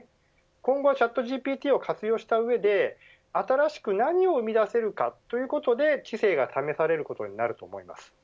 今後はＣｈａｔＧＰＴを活用した上で新しく何を生み出せるかということで知性が試されることになると思います。